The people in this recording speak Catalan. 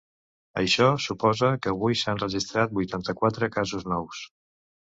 Això suposa que avui s’han registrat vuitanta-quatre casos nous.